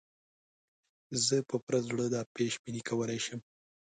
زه په پوره زړه دا پېش بیني کولای شم.